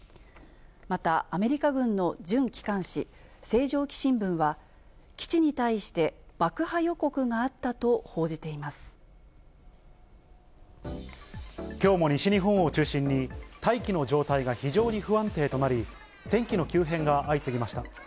また、アメリカ軍の準機関誌、星条旗新聞は、基地に対して爆破予告があきょうも西日本を中心に、大気の状態が非常に不安定となり、天気の急変が相次ぎました。